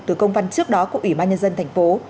từ công văn trước đó của ủy ban nhân dân tp